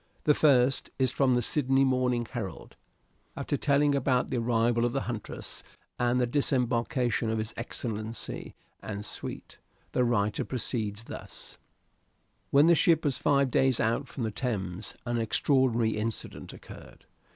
The first is from the Sydney Morning Herald. After telling about the arrival of the Huntress, and the disembarkation of his Excellency and suite, the writer proceeds thus: "When the ship was five days out from the Thames an extraordinary incident occurred.